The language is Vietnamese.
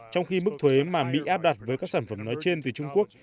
trong khi mức thuế mà mỹ áp đặt với các sản phẩm nói trên từ trung quốc